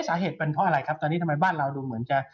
สาเหตุเป็นเพราะอะไรครับตอนนี้ทำไมบ้านเราดูเหมือนจะ